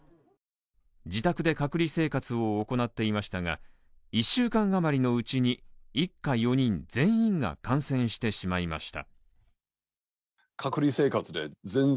自宅で隔離生活を行っていましたが１週間余りのうちに一家４人全員が感染してしまいました。